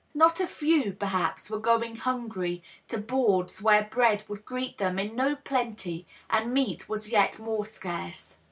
Not a few, perhaps, were going hungry to boards where bread would greet them in no plenty and meat was yet more scarce.